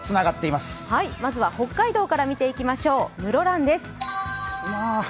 まずは北海道から見ていきましょう、室蘭です。